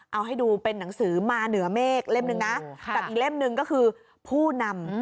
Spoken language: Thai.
เอาให้ดูเป็นหนังสือมาเหนือเมกเล่มนึงนะหลังจากอีกเล่มนึงคือผู้นำ